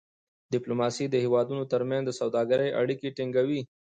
ډيپلوماسي د هېوادونو ترمنځ د سوداګری اړیکې ټینګوي.